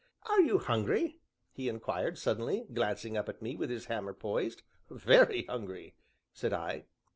"Are you hungry?" he inquired suddenly, glancing up at me with his hammer poised. "Very hungry!" said I.